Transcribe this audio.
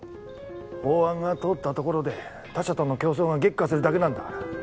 法案が通ったところで他社との競争が激化するだけなんだから。